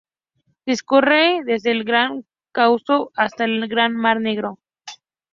Discurre desde el Gran Cáucaso hasta el mar Negro.